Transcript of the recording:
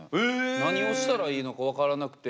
何をしたらいいのか分からなくて。